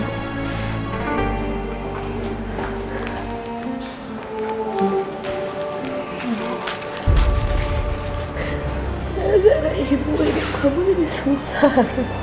karena ibu ini kamu yang susah